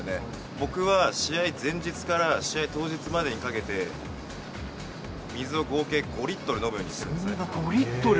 僕は試合前日から試合当日までにかけて水を合計５リットル飲むよ５リットル？